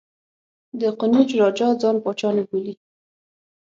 د قنوج راجا ځان پاچا نه بولي.